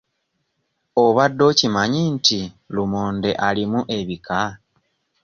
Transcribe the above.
Obadde okimanyi nti lumonde alimu ebika?